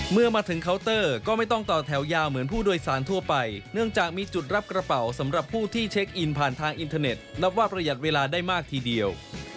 เมื่อมาถึงเคาน์เตอร์ก็ไม่ต้องต่อแถวยาวเหมือนผู้โดยสารทั่วไปเนื่องจากมีจุดรับกระเป๋าสำหรับผู้ที่เช็คอินผ่านทางอินเทอร์เน็ตนับว่าประหยัดเวลาได้มากทีเดียว